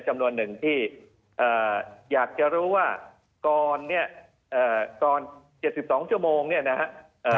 จำนวนหนึ่งที่อยากจะรู้ว่าก่อนเนี่ยก่อน๗๒ชั่วโมงเนี่ยนะฮะ